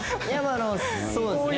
あのそうですね。